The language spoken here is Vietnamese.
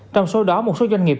trong số đó một số doanh nghiệp